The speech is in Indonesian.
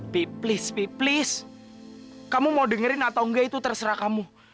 pi please pi please kamu mau dengerin atau enggak itu terserah kamu